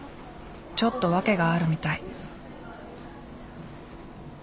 ちょっと訳があるみたい。